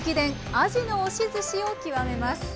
「あじの押しずし」を極めます。